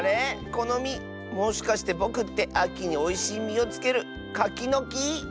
このみもしかしてぼくってあきにおいしいみをつけるカキのき？